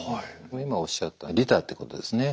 今おっしゃった利他ってことですね